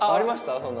そんなの。